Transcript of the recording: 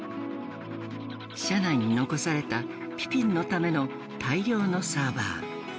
社内に残されたピピンのための大量のサーバー。